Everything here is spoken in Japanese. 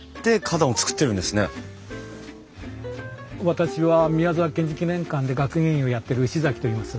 私は宮沢賢治記念館で学芸員をやってる牛崎といいます。